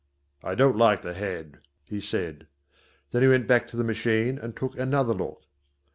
"I don't like the head," he said. Then he went back to the machine and took another look.